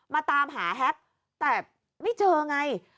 ตามหาแฮ็กแต่ไม่เจอไง